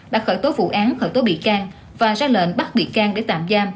đã khởi tố vụ án khởi tố bị can và ra lệnh bắt bị can để tạm giam